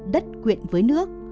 đất quyện với nước